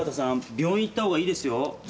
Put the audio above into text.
病院行った方がいいですよ。